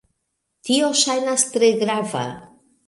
Tio ŝajnas tre grava